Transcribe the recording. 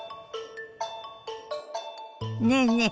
ねえねえ